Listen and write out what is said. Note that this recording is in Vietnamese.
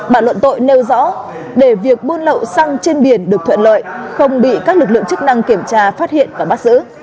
bản luận tội nêu rõ để việc buôn lậu xăng trên biển được thuận lợi không bị các lực lượng chức năng kiểm tra phát hiện và bắt giữ